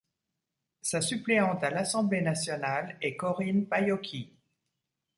Sa suppléante à l'Assemblée nationale est Corinne Paiocchi.